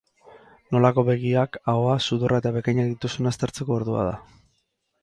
Nolako begiak, ahoa, sudurra eta bekainak dituzun aztertzeko ordua da.